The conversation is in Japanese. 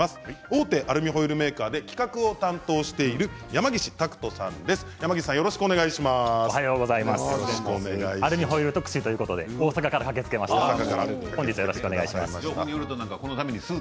大手アルミホイルメーカーで企画を担当しているおはようございます。